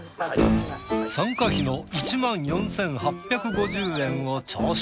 参加費の１４，８５０円を徴収。